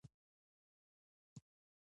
وراوي به راسي د توتکیو